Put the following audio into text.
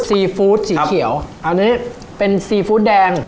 ซีฟู้ดสีเขียวอันนี้เป็นซีฟู้ดแดง